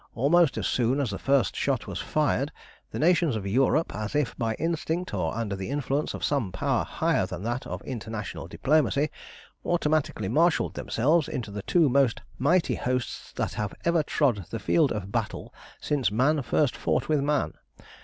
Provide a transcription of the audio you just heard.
Almost as soon as the first shot was fired the nations of Europe, as if by instinct or under the influence of some power higher than that of international diplomacy, automatically marshalled themselves into the two most mighty hosts that have ever trod the field of battle since man first fought with man.